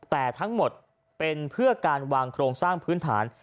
แต่ทั้งหมดเป็นเพื่อการวางโครงสร้างพื้นฐาน